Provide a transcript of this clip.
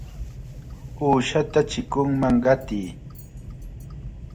¡Uushata chikunman qatiy!